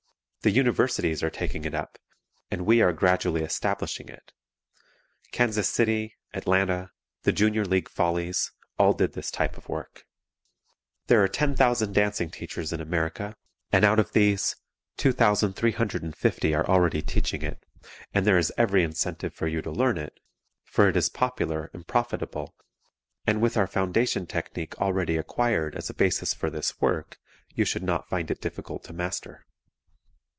The Universities are taking it up, and we are gradually establishing it. Kansas City, Atlanta the Junior League Follies, all did this type of work. There are 10,000 dancing teachers in America, and out of these, 2,350 are already teaching it, and there is every incentive for you to learn it, for it is popular and profitable, and with our foundation technique already acquired as a basis for this work you should not find it difficult to master.